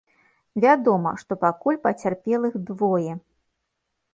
Вядома, што пакуль пацярпелых двое.